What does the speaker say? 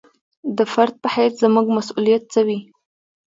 د فرد په حیث زموږ مسوولیت څه وي.